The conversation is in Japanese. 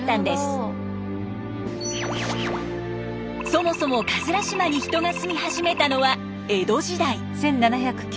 そもそも島に人が住み始めたのは江戸時代。